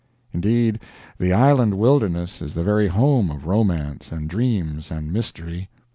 Indeed, the Island Wilderness is the very home of romance and dreams and mystery.